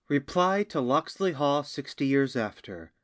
REPLY TO "LOCKSLEY HALL SIXTY YEARS AFTER."